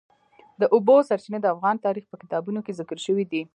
د اوبو سرچینې د افغان تاریخ په کتابونو کې ذکر شوی دي.